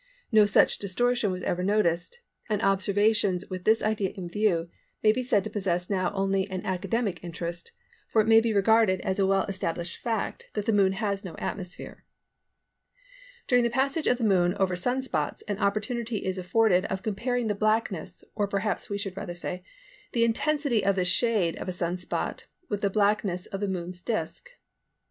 No such distortion was ever noticed, and observations with this idea in view may be said to possess now only an academic interest, for it may be regarded as a well established fact that the Moon has no atmosphere. During the passage of the Moon over Sun spots an opportunity is afforded of comparing the blackness, or perhaps we should rather say, the intensity of the shade of a Sun spot with the blackness of the Moon's disc.